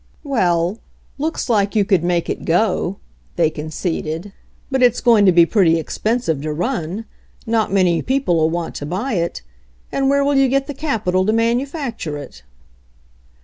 "Well, looks like you could make it go," they conceded. "But it's going to be pretty expensive to run. Not many peopled want to buy it. And where will you get the capital to manufacture it?"